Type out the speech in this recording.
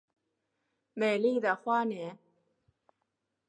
美丽的花莲